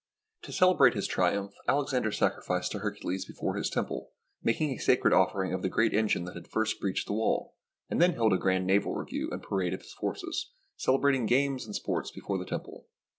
To celebrate his triumph, Alexander sacri ficed to Hercules before his temple, making a sacred offering of the great engine that had first breached the wall, and then held a grand naval review and parade of his forces, celebrating games and sports before the temple.